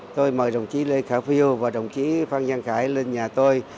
tôi mời đồng chí lê khả phiêu và đồng chí phan giang khải lên nhà tôi